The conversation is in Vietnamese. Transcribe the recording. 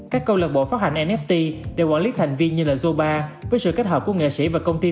các câu lạc bộ phát hành nft đều quản lý thành viên như là zoba với sự kết hợp của nghệ sĩ và công ty